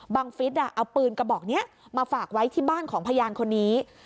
ฟิศเอาปืนกระบอกนี้มาฝากไว้ที่บ้านของพยานคนนี้